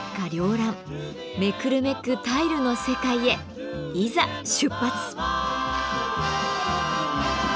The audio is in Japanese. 繚乱目くるめくタイルの世界へいざ出発！